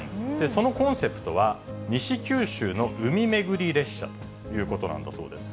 そのコンセプトは、西九州の海めぐり列車ということなんだそうです。